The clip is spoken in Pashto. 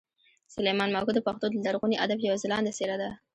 سلیمان ماکو د پښتو د لرغوني ادب یوه خلانده څېره ده